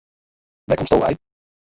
Wêr komsto wei?